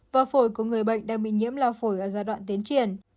và phổi của người bệnh đang bị nhiễm lao phổi ở giai đoạn tiến triển